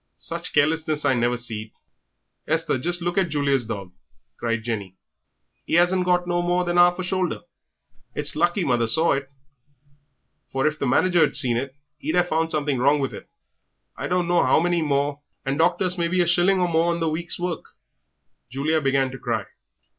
Sich carelessness I never seed." "Esther, just look at Julia's dog," cried Jenny, "'e 'asn't got no more than 'arf a shoulder. It's lucky mother saw it, for if the manager'd seen it he'd have found something wrong with I don't know 'ow many more, and docked us maybe a shilling or more on the week's work." Julia began to cry.